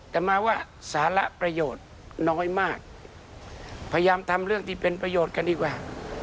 แต่มาว่าสาระประโยชน์น้อยมากพยายามทำเรื่องที่เป็นประโยชน์กันดีกว่า